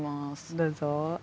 どうぞ。